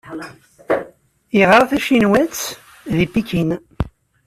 Yeɣra tacinwant di Pikin.